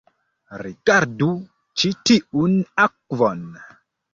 Rigardu ĉi tiun akvon